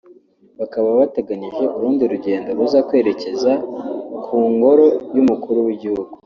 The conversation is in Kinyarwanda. bakaba bateganyije urundi rugendo ruza kwerekeza ku ngoro y’umukuru w’igihugu